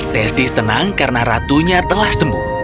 sesi senang karena ratunya telah sembuh